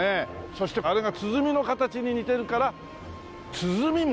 そしてあれが鼓の形に似てるから鼓門。